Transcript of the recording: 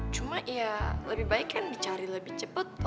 cuma ya lebih baik kan dicari lebih cepat